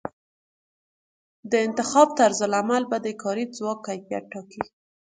د انتخاب طرزالعمل به د کاري ځواک کیفیت ټاکي.